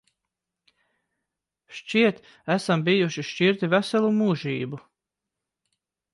Šķiet, esam bijuši šķirti veselu mūžību.